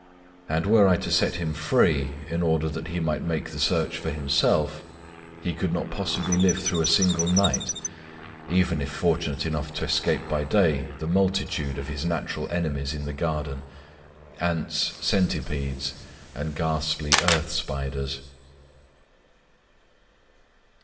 And were I to set him free in order that he might make the search for himself, he could not possibly live Digitized by Googk KUSA HIBARI 239 through a single night, even if fortunate enough to escape by day the multitude of his natural enemies in the garden, — ants, centipedes, and ghastly earth spiders.